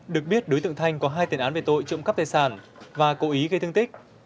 được biết đối tượng thanh có hai tiền án về tội trộm cắp tài sản và cố ý gây thương tích